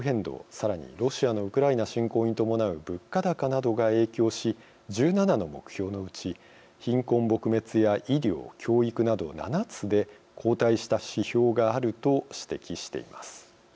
さらにロシアのウクライナ侵攻に伴う物価高などが影響し１７の目標のうち貧困撲滅や医療教育など７つで後退した指標があると指摘しています。